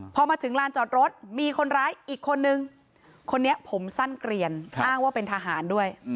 พอมาถึงลานจอดรถมีคนร้ายอีกคนนึงคนนี้ผมสั้นเกลียนอ้างว่าเป็นทหารด้วย